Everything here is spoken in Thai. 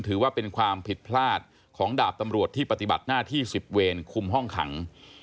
ถือว่าเป็นความผิดพลาดของดาบตำรวจที่ปฏิบัติหน้าที่๑๐เวรคุมห้องขัง